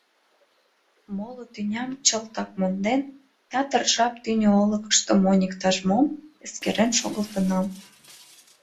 Моло тӱням чылтак монден, ятыр жап тӱнӧ олыкышто монь иктаж-мом эскерен шогылтынам.